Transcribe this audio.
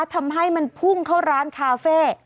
ทำให้มันพุ่งเข้าร้านคาเฟ่